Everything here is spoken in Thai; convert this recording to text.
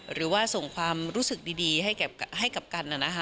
หรือว่าส่งความรู้สึกดีให้กับกัน